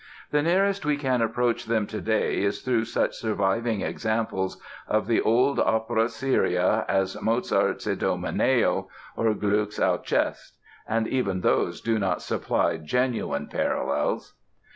The nearest we can approach them today is through such surviving examples of the old opera seria as Mozart's "Idomeneo" or Gluck's "Alceste". And even those do not supply genuine parallels.